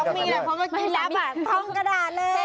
ก็มีเลยเพราะว่ามันสามารถพร้อมกระดาษเลย